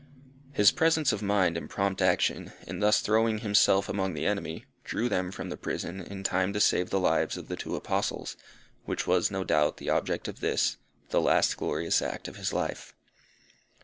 His presence of mind, and prompt action, in thus throwing himself among the enemy, drew them from the prison in time to save the lives of the two Apostles, which was, no doubt, the object of this, the last glorious act of his life.